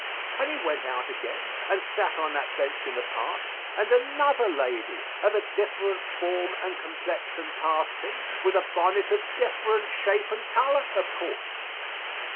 And he went out again and sat on that bench in the park, and another lady of a different form and complexion passed him with a bonnet of different shape and color, of course.